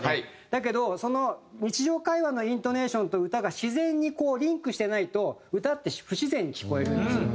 だけど日常会話のイントネーションと歌が自然にリンクしてないと歌って不自然に聞こえるんですよ。